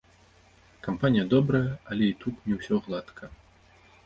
Кампанія добрая, але і тут не ўсё гладка.